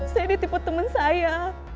saya ditipu temen saya